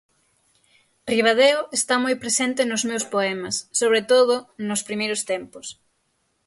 Ribadeo está moi presente nos meus poemas, sobre todo nos primeiros tempos.